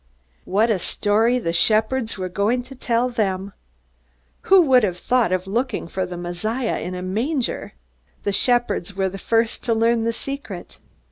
What a story the shepherds were going to tell them! Who would have thought of looking for the Messiah in a manger! The shepherds were the first to learn the secret.